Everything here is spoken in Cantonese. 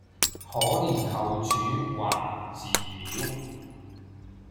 可憐後主還祠廟，